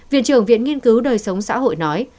viện trưởng viện nghiên cứu đời sống xã hội nói